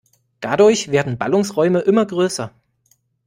Dadurch werden Ballungsräume immer größer.